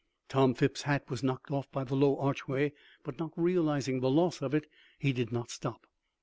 Tom Phipps's hat was knocked off by the low archway, but not realizing the loss of it, he did not stop.